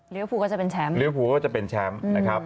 รีวิภูก็จะเป็นแชมป์